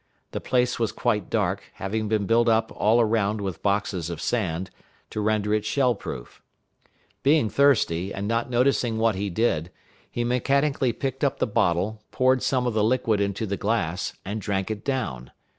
The place was quite dark, having been built up all around with boxes of sand, to render it shell proof. Being thirsty, and not noticing what he did, he mechanically picked up the bottle, poured some of the liquid into the glass, and drank it down.